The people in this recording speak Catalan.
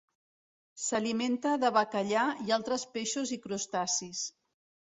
S'alimenta de bacallà i altres peixos i crustacis.